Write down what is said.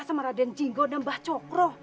sama raden jinggo dan mbah cokro